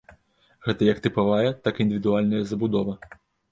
Гэта як тыпавая, так і індывідуальная забудова.